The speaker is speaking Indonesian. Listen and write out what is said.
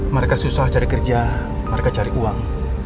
mereka susah cari kerja mereka cari uang